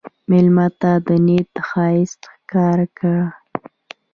مېلمه ته د نیت ښایست ښکاره کړه.